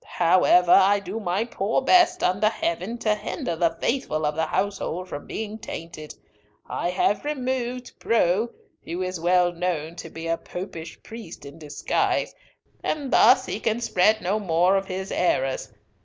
However, I do my poor best, under Heaven, to hinder the faithful of the household from being tainted. I have removed Preaux, who is well known to be a Popish priest in disguise, and thus he can spread no more of his errors.